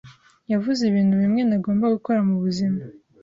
Yavuze ibintu bimwe ntagomba gukora mubuzima